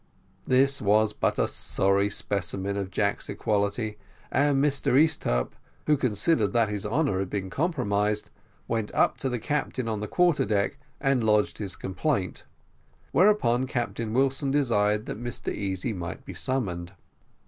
This was but a sorry specimen of Jack's equality and Mr Easthupp, who considered that his honour had been compromised, went up to the captain on the quarter deck, and lodged his complaint whereupon Captain Wilson desired that Mr Easy might be summoned.